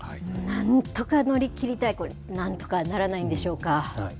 なんとか乗り切りたい、これ、なんとかならないんでしょうか。